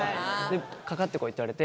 かかってこいって言われて。